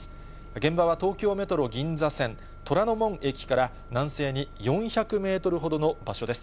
現場は東京メトロ銀座線虎ノ門駅から南西に４００メートルほどの場所です。